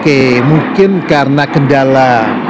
oke mungkin karena kendala